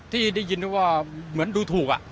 ที่ได้ยินว่าเหมือนดูถูก